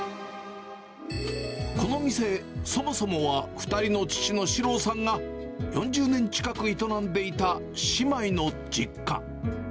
この店、そもそもは２人の父の四朗さんが４０年近く営んでいた姉妹の実家。